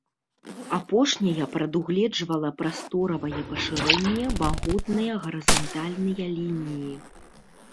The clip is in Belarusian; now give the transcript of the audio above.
Апошняя прадугледжвала прасторавае пашырэнне, магутныя гарызантальныя лініі.